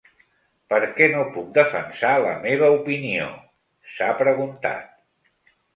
Per què no puc defensar la meva opinió?, s’ha preguntat.